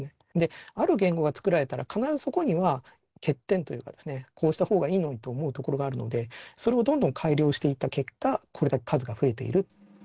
ある言語が作られたら必ずそこには欠点というかですねこうした方がいいのにと思うところがあるのでそれをどんどん改良していった結果これだけ数が増えている。